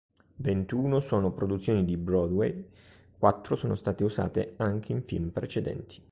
Ventuno sono produzioni di Broadway, quattro sono state usate anche in film precedenti.